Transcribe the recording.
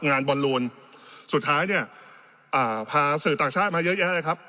งานบอลลูนสุดท้ายเนี่ยอ่าพาสื่อต่างชาติมาเยอะแยะเลยครับ